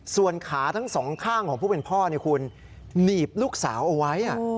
ส่วนขาทั้งสองข้างของผู้เป็นพ่อคุณหนีบลูกสาวเอาไว้